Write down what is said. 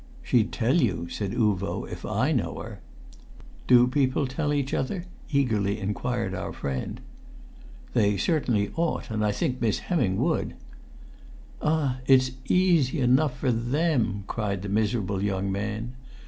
"She'd tell you," said Uvo, "if I know her." "Do people tell each other?" eagerly inquired our friend. "They certainly ought, and I think Miss Hemming would." "Ah! it's easy enough for them!" cried the miserable young man.